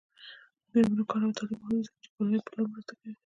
د میرمنو کار او تعلیم مهم دی ځکه چې کورنۍ پلان مرسته کوي.